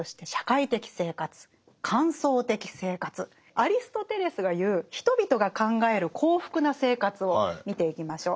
アリストテレスが言う人々が考える幸福な生活を見ていきましょう。